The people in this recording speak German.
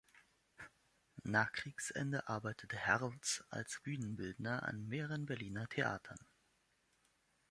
Nach Kriegsende arbeitete Herlth als Bühnenbilder an mehreren Berliner Theatern.